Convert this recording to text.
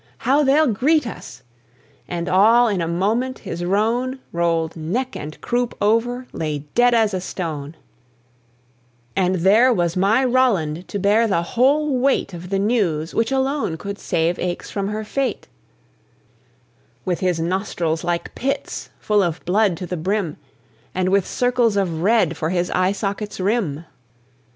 "How they'll greet us!" and all in a moment his roan Rolled neck and croup over, lay dead as a stone; And there was my Roland to bear the whole weight Of the news which alone could save Aix from her fate, With his nostrils like pits full of blood to the brim, And with circles of red for his eye sockets' rim.